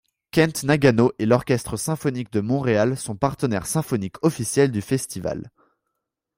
Kent Nagano et l’Orchestre symphonique de Montréal sont partenaires symphoniques officiels du Festival.